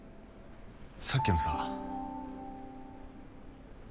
さっきのさ。